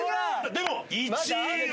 でも１位が。